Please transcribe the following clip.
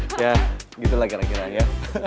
ya gitu lah kira kira ya